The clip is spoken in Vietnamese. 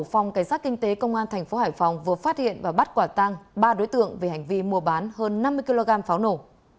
phòng cảnh sát kinh tế công an tp hải phòng vừa phát hiện và bắt quả tăng ba đối tượng về hành vi mua bán hơn năm mươi kg pháo nổ